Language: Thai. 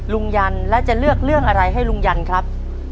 ยันแล้วจะเลือกเรื่องอะไรให้ลุงยันครับ